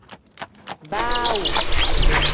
Baawu.